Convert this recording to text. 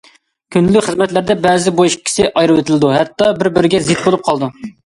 كۈندىلىك خىزمەتلەردە بەزىدە بۇ ئىككىسى ئايرىۋېتىلىدۇ، ھەتتا بىر بىرىگە زىت بولۇپ قالىدۇ.